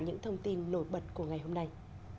những thông tin nổi bật của ngày hôm nay